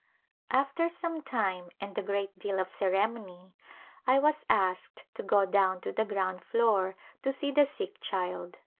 After some time and a great deal of ceremony I was asked to go down to the ground floor to see the sick child.